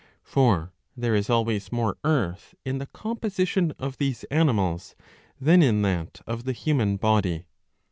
For there is always more earth in the composition of these animals than in that of the human body.